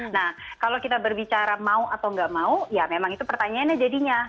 nah kalau kita berbicara mau atau nggak mau ya memang itu pertanyaannya jadinya